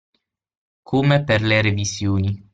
Come per le revisioni